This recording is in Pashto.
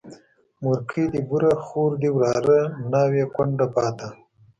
مورکۍ دي بوره، خور دي وراره، ناوې کونډه پاته